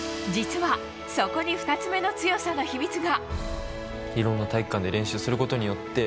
実は、そこに２つ目の強さの秘密が。